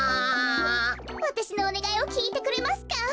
わたしのおねがいをきいてくれますか？